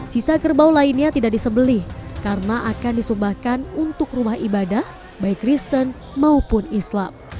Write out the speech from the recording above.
sisa kerbau lainnya tidak disebeli karena akan disumbahkan untuk rumah ibadah baik kristen maupun islam